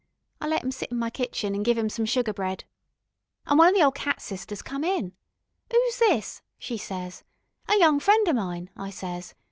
I let 'im sit in my kitchen, an' give 'im some sugar bread. An' one of the ol' cat sisters come in. ''Oo's this?' she ses. 'A young friend o' mine,' I ses.